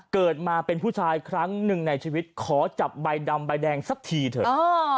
เกิดมาเป็นผู้ชายครั้งหนึ่งในชีวิตขอจับใบดำใบแดงสักทีเถอะ